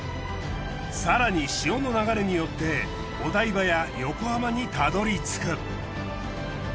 更に潮の流れによってお台場や横浜にたどり着く。